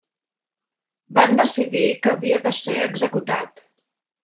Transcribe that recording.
Van decidir que havia de ser executat.